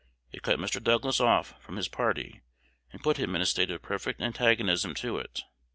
It cut Mr. Douglas off from his party, and put him in a state of perfect antagonism to it.